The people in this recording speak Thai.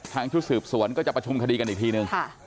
ชุดสืบสวนก็จะประชุมคดีกันอีกทีนึง